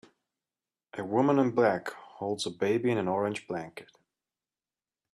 A woman in black holds a baby in an orange blanket.